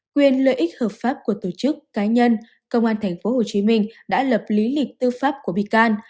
quyền lợi ích hợp pháp của tổ chức cá nhân công an tp hcm đã lập lý lịch tư pháp của bị can